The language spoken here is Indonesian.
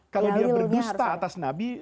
kalau dia berdusta atas nabi